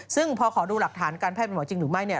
ซึ่งพอขอดูหลักฐานการแพทย์เป็นหมอจริงหรือไม่เนี่ย